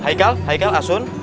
haikal haikal asun